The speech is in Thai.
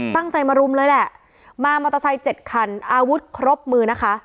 ตั้งใจมารุมเลยแหละมามอเตอร์ไซค์เจ็ดคันอาวุธครบมือนะคะ